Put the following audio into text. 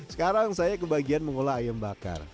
sekarang saya kebagian mengolah ayam bakar